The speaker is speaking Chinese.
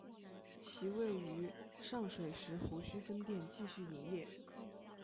其位于上水石湖墟分店继续营业。